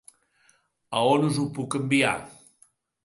A on us ho puc enviar?